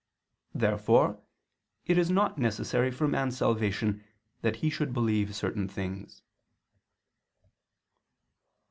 Therefore it is not necessary for man's salvation, that he should believe certain things.